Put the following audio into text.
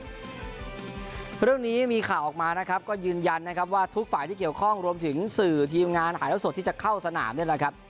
เรื่องนี้มีข่าวออกมานะครับก็ยืนยันนะครับว่าทุกฝ่ายที่เกี่ยวข้องรวมถึงสื่อทีมงานถ่ายแล้วสดที่จะเข้าสนามนี่แหละครับ